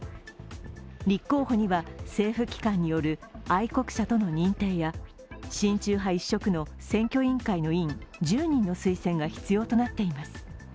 立候補には政府機関による愛国者との認定や親中派一色の選挙委員会の委員１０人の推薦が必要となっています。